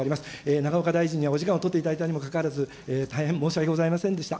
永岡大臣にはお時間を取っていただいたにもかかわらず、大変申し訳ございませんでした。